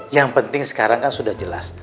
yang penting sekarang kan sudah jelas